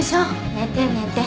寝て寝て。